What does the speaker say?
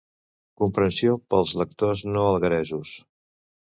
comprensió pels lectors no algueresos